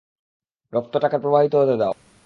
রক্তটাকে প্রবাহিত হতে দাও।